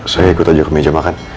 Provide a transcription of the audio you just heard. saya ikut aja ke meja makan